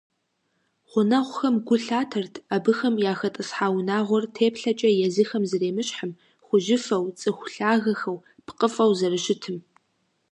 Гъунэгъухэм гу лъатэрт абыхэм яхэтӀысхьа унагъуэр теплъэкӀэ езыхэм зэремыщхьым, хужьыфэу, цӀыху лъагэхэу, пкъыфӀэу зэрыщытым.